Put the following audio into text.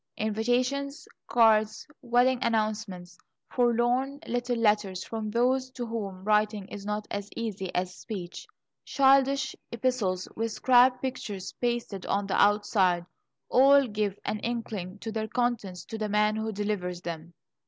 Invitations, cards, wedding announcements, forlorn little letters from those to whom writing is not as easy as speech, childish epistles with scrap pictures pasted on the outside, all give an inkling of their contents to the man who delivers them.